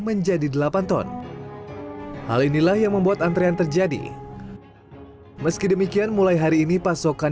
menjadi delapan ton hal inilah yang membuat antrean terjadi meski demikian mulai hari ini pasokan